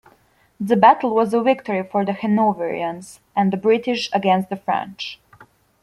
The Battle was a victory for the Hanoverians and the British against the French.